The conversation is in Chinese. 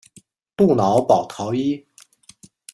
杜瑙保陶伊。